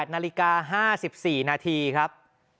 ๘นาฬิกา๕๔นาทีครับ